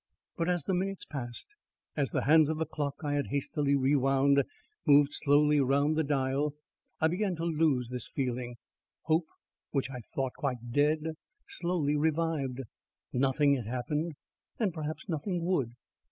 But as the minutes passed, as the hands of the clock I had hastily rewound moved slowly round the dial, I began to lose this feeling. Hope which I thought quite dead slowly revived. Nothing had happened, and perhaps nothing would.